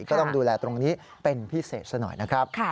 ก็ต้องดูแลตรงนี้เป็นพิเศษซะหน่อยนะครับ